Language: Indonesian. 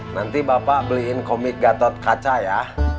nanti bapak beliin komik gatot kaca ya